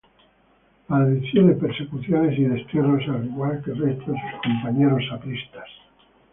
Padeció de persecuciones y destierros al igual que el resto de sus compañeros apristas.